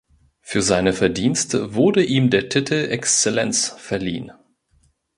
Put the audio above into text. Für seine Verdienste wurde ihm der Titel „Exzellenz“ verliehen.